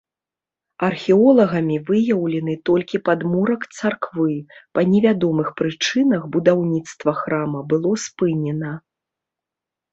Археолагамі выяўлены толькі падмурак царквы, па невядомых прычынах будаўніцтва храма было спынена.